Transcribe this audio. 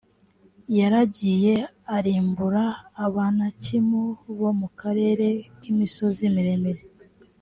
yaragiye arimbura abanakimu bo mu karere k’imisozi miremire